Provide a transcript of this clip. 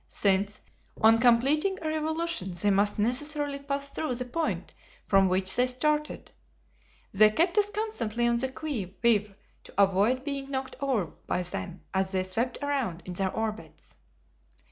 Since, on completing a revolution, they must necessarily pass through the point from which they started, they kept us constantly on the qui vive to avoid being knocked over by them as they swept around in their orbits.